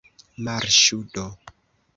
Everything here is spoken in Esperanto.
Marŝu do!